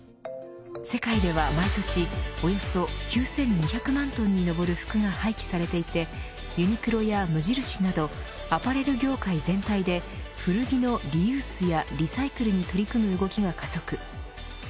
世界では毎年およそ９２００万トンに上る服が廃棄されていてユニクロや無印などアパレル業界全体で古着のリユースやリサイクルに取り組む動きが加速。